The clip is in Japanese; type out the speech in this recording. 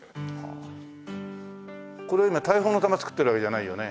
これは今大砲の弾作ってるわけじゃないよね？